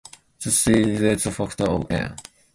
The series without the factor of "n"!